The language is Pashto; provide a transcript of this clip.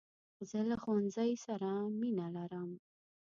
زه له ښوونځۍ سره مینه لرم .